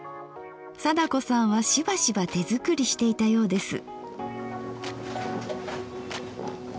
貞子さんはしばしば手作りしていたようです。